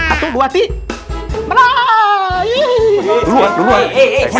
eh eh siapa yang ngikutin